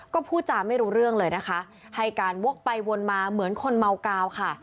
ก็พูดจาไม่รู้เรื่องเลยนะคะให้การวกไปวนมาเหมือนคนเมากาวค่ะ